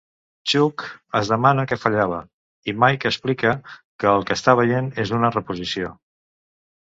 "Chuck" es demana què fallava i Mike explica que el que està veient és una reposició.